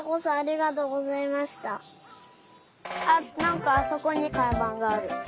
あっなんかあそこにかんばんがある。